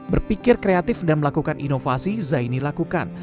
berpikir kreatif dan melakukan inovasi zaini lakukan